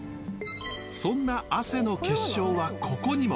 そんな汗の結晶はここにも。